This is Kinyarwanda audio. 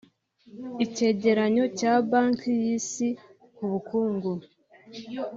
Icyegeranyo cya Banki y’Isi ku bukungu